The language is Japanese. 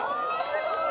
すごい！